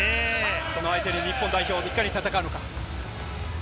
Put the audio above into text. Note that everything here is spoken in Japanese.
その相手に日本代表、いかに戦うのか。